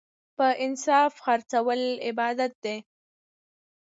په انصاف خرڅول عبادت دی.